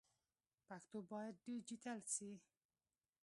پښتو باید ډيجيټل سي.